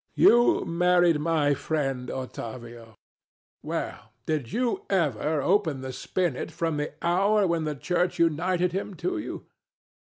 You married my friend Ottavio: well, did you ever open the spinet from the hour when the Church united him to you?